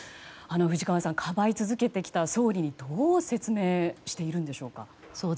藤川さんかばい続けてきた総理にどう説明しているんでしょうか。